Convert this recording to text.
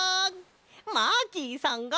マーキーさんが。